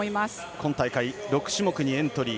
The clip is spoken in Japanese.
今大会６種目にエントリー。